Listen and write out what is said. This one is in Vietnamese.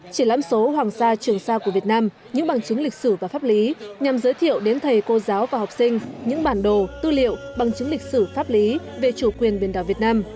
triển lãm số hoàng sa trường sa của việt nam những bằng chứng lịch sử và pháp lý nhằm giới thiệu đến thầy cô giáo và học sinh những bản đồ tư liệu bằng chứng lịch sử pháp lý về chủ quyền biển đảo việt nam